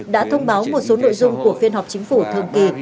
đã thông báo một số nội dung của phiên họp chính phủ thường kỳ